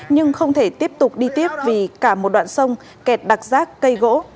nhưng không thể tiếp tục đi tiếp vì cả một đoạn sông kẹt đặc rác cây gỗ